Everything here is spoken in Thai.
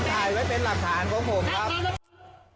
ถ่ายไว้เป็นหลักฐานของผมครับ